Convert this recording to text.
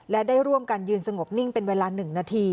และได้ร่วมกันยืนสงบนิ่งเป็นเวลา๑นาที